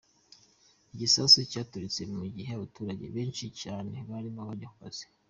Igisasu cyaturitse mu gihe abaturage benshi cyane barimo bajya mu kazi.